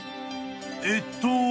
［えっと。